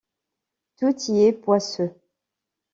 Tout y est poisseux.